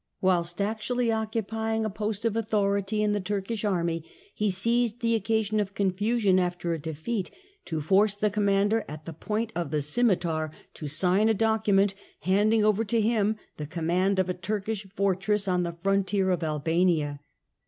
Whilst actually occupying a post of authority in the Turkish army, he seized the occasion of confusion after a defeat, to force the Commander at the point of the scimitar to sign a document, handing over to him the command of a Turkish fortress on the frontier of Albania.